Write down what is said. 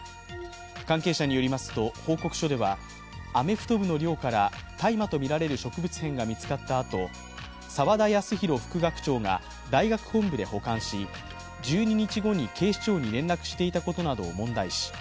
関係者によりますと、報告書ではアメフト部の寮では大麻とみられる植物片が見つかったあと、沢田康広副学長が大学本部で保管し、１２日後に警視庁に連絡していたことなどを問題視。